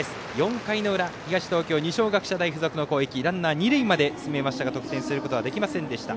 ４回の裏、東東京二松学舎大付属の攻撃ランナー２塁まで進めましたが得点することはできませんでした。